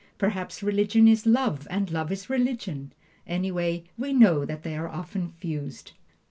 Perhaps religion is love and love is religion anyway, we know that they are often fused.